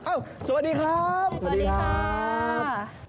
อ้าวสวัสดีครับสวัสดีครับสวัสดีครับสวัสดีครับ